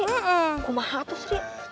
kumaha tuh sri